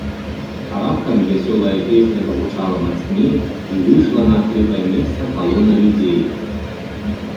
Раптам вясёлая песня загучала мацней і выйшла на адкрытае месца калона людзей.